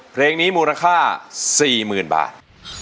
เพลงนี้มูลค่า๔๐๐๐บาท